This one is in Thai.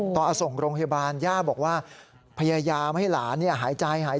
ตอนเอาส่งโรงพยาบาลย่าบอกว่าพยายามให้หลานหายใจหาย